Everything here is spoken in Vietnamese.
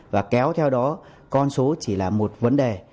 và kéo theo đó con số chỉ là một vấn đề